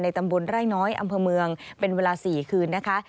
ตำบลไร่น้อยอำเภอเมืองเป็นเวลา๔คืนนะคะ